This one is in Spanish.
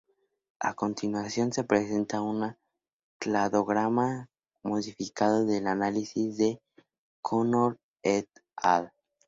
A continuación se presenta un cladograma modificado del análisis de O’Connor "et al.